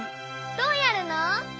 どうやるの？